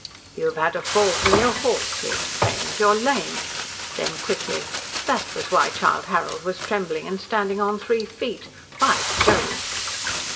"You have had a fall from your horse," he exclaimed. "You are lame!" Then quickly, "That was why Childe Harold was trembling and standing on three feet! By Jove!"